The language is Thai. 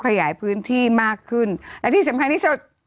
ขยายพื้นที่มากขึ้นและที่สำคัญที่สุด